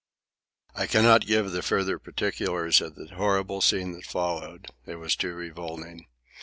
I cannot give the further particulars of the horrible scene that followed. It was too revolting.